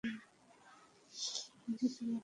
Lessee, তোমাকে পোকাগুলো বের করতে হবে।